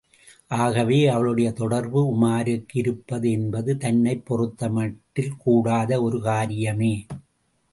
ஆகவே அவளுடைய தொடர்பு உமாருக்கு இருப்பது என்பது தன்னைப் பொறுத்தமட்டில் கூடாத ஒரு காரியமே!